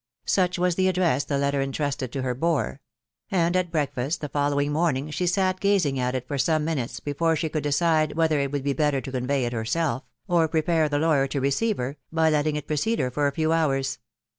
Such was the address the letter intrusted to her bore ; and at breakfast the following morning she sat gazing at it for some minutes before she could decide whether it would be better to convey it herself, or prepare the lawyer to receive her, by letting it precede her for a few hours.